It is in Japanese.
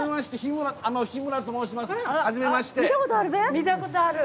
見たことあるべ？